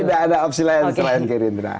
tidak ada opsi lain selain gerindra